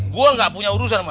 gue gak punya urusan sama